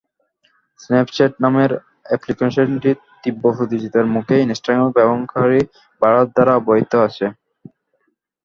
Snapchat নামের অ্যাপ্লিকেশনটির তীব্র প্রতিযোগিতার মুখে ইনস্টাগ্রামের ব্যবহারকারী বাড়ার ধারা অব্যাহত আছে।